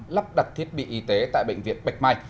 lắp đặt thiết bị y tế tại bệnh viện bạch mai